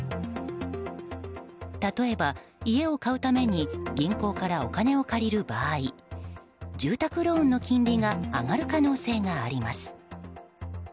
例えば、家を買うために銀行からお金を借りる場合住宅ローンの金利が上がる可能性があります。